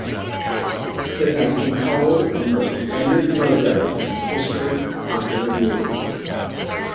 It has been called the most famous logo in the history of popular music.